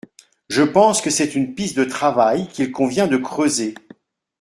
Je pense que c’est une piste de travail qu’il convient de creuser.